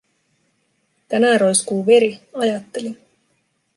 Tänään roiskuu veri, ajattelin.